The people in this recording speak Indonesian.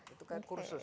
itu kan kursus